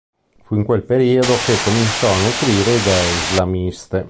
Fu in quel periodo che cominciò a nutrire idee islamiste.